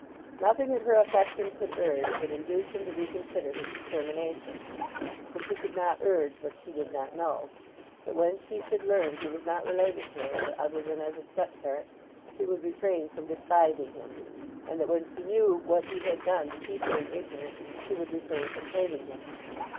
Nothing that her affection could urge would induce him to reconsider his determination; for she could not urge what she did not know—that when she should learn he was not related to her other than as a step parent she would refrain from despising him, and that when she knew what he had done to keep her in ignorance she would refrain from hating him.